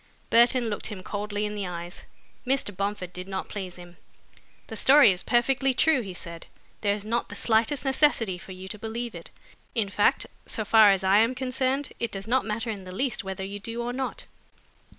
Burton looked him coldly in the eyes. Mr. Bomford did not please him. "The story is perfectly true," he said. "There is not the slightest necessity for you to believe it in fact, so far as I am concerned, it does not matter in the least whether you do or not."